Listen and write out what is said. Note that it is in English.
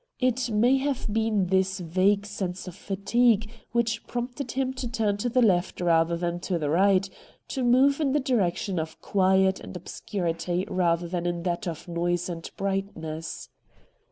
It may have been this vague sense of fatigue which prompted him to turn to the left rather than to the right — to move in the direction of quiet and obscurity rather than in that of noise and brightness.